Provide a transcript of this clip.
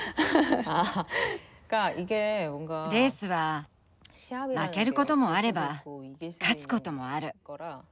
レースは負けることもあれば勝つこともある。